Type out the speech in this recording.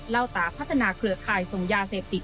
เล่าตาพัฒนาเครือข่ายส่งยาเสพติด